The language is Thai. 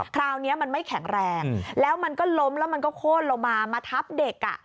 คราวนี้มันไม่แข็งแรงแล้วมันก็ล้มแล้วมันก็โค้นลงมามาทับเด็กอ่ะ